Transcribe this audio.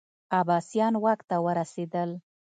عباسیان واک ته ورسېدل